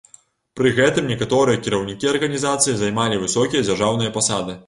Пры гэтым некаторыя кіраўнікі арганізацыі займалі высокія дзяржаўныя пасады.